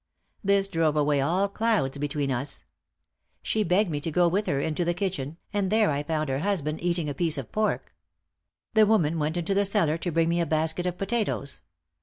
This drove away all clouds between us. She begged me to go with her into the kitchen, and there I found her husband eating a piece of pork. The woman went into the cellar to bring me a basket of potatoes.